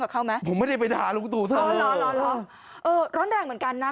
กับเขาไหมผมไม่ได้ไปด่าลุงตูสิเออร้อนร้อนแรงเหมือนกันนะ